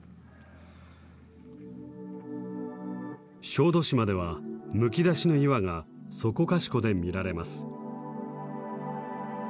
小豆島ではむき出しの岩がそこかしこで見られます。